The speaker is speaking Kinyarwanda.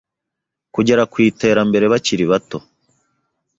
kugera ku iterambere bakiri bato.